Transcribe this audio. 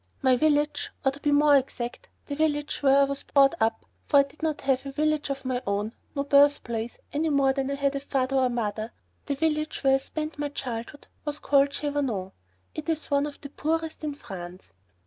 My village, or, to be more exact, the village where I was brought up, for I did not have a village of my own, no birthplace, any more than I had a father or mother the village where I spent my childhood was called Chavanon; it is one of the poorest in France.